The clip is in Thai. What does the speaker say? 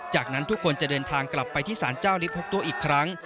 จากนั้นทุกคนจะเดินทางกลับไปที่สารเจ้าลิฟต์๖ตู้อีกครั้ง